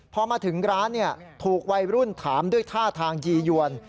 พอมาถึงร้านถูกวัยรุ่นถามด้วยท่าทางยียวน